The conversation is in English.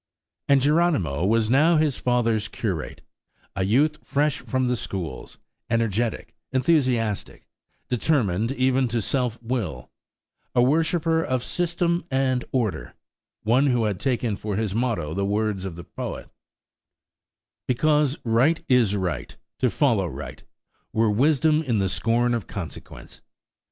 And Geronimo was now his father's curate; a youth fresh from the schools; energetic, enthusiastic, determined even to self will, a worshipper of system and order; one who had taken for his motto the words of the poet: "–because right is right, to follow right Were wisdom in the scorn of consequence."